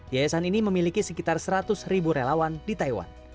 yayasan ini memiliki sekitar seratus ribu relawan di taiwan